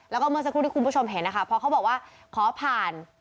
แล้วก็เมื่อสักครู่ที่คุณผู้ชมเห็นนะคะเพราะเขาบอกว่าขอผ่าน